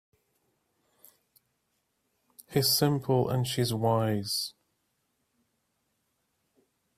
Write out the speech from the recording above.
He's simple and she's wise.